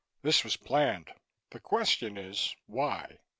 It was planned. The question is, why?"